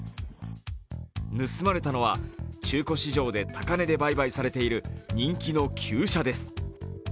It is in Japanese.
盗まれたのは、中古市場で高値で売買されている人気の旧車です。